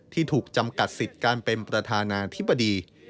ที่ถูกจำกัดสิทธิ์การเป็นประธานาธิบดี